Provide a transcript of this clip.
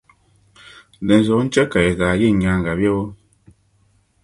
Dinzuɣu n-chɛ ka yi zaa yi n nyaaŋa bebo?